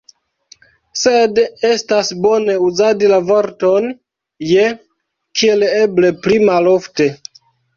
Sed estas bone uzadi la vorton « je » kiel eble pli malofte.